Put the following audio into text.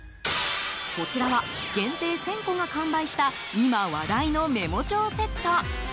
こちらは限定１０００個が完売した今、話題のメモ帳セット。